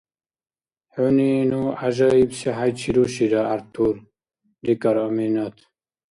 — ХӀуни ну гӀяжаибси хӀяйчи рушира, ГӀяртур, — рикӀар Аминат.